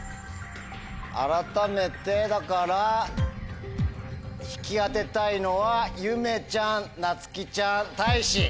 改めてだから引き当てたいのはゆめちゃんなつきちゃんたいし！